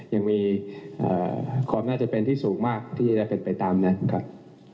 ยังมีความน่าจะเป็นที่สูงมากที่จะเป็นไปตามนั้นครับ